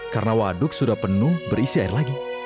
karena waduk sudah penuh berisi air lagi